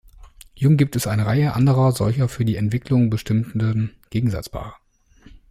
Jung gibt es eine Reihe anderer solcher für die Entwicklung bestimmenden Gegensatzpaare.